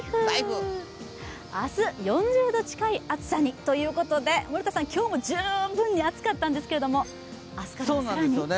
明日、４０度近い暑さにということで森田さん、今日も十分に暑かったんですが、明日も？